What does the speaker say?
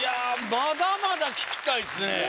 まだまだ聞きたいですね